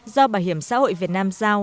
do bảo hiểm xã hội việt nam giao